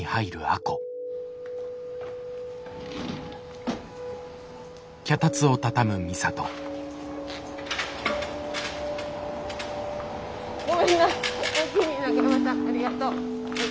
ありがとう。